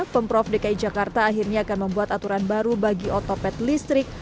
pemprov dki jakarta akhirnya akan membuat aturan baru bagi otopet listrik